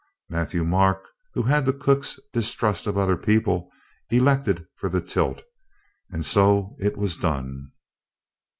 Matthieu Marc, who had the cook's distrust of other people, elected for the tilt, and so it was done.